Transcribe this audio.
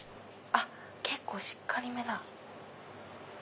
あっ結構しっかりめだ。